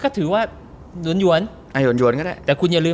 ก็เจ้ากันไงก็เจ้ากันไง